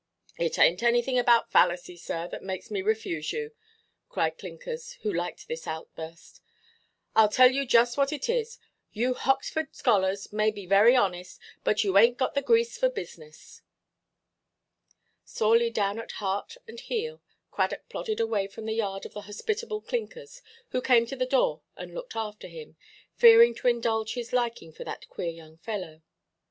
"It ainʼt anything about fallacy, sir, that makes me refuse you," cried Clinkers, who liked this outburst; "Iʼll tell you just what it is. You Hoxford scholars may be very honest, but you ainʼt got the grease for business." Sorely down at heart and heel, Cradock plodded away from the yard of the hospitable Clinkers, who came to the door and looked after him, fearing to indulge his liking for that queer young fellow.